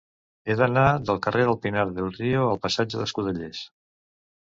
He d'anar del carrer de Pinar del Río al passatge d'Escudellers.